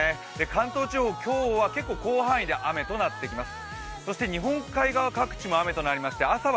関東地方、今日は結構、広範囲で雨となってきます。